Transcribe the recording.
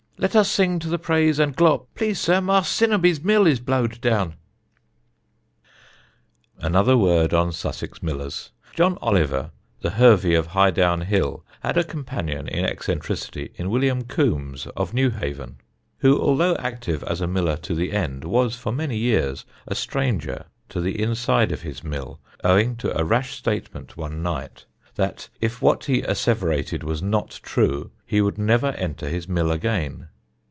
"Let us sing to the praise and glo Please, sir, Mas' Cinderby's mill is blowed down!" [Sidenote: ANOTHER MILLER] Another word on Sussex millers. John Oliver, the Hervey of Highdown Hill, had a companion in eccentricity in William Coombs of Newhaven, who, although active as a miller to the end, was for many years a stranger to the inside of his mill owing to a rash statement one night that if what he asseverated was not true he would never enter his mill again.